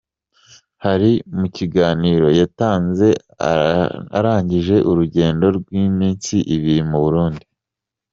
Hari mu kiganiro yatanze araginje urugendo rw’iminsi ibiri mu Burundi.